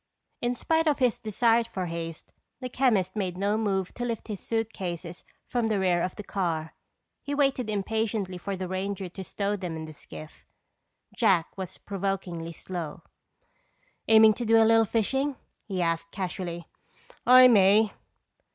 In spite of his desire for haste, the chemist made no move to lift his suitcases from the rear of the car. He waited impatiently for the ranger to stow them in the skiff. Jack was provokingly slow. "Aiming to do a little fishing?" he asked casually. "I may."